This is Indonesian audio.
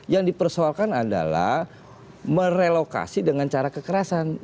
yang dipersoalkan adalah merelokasi dengan cara kekerasan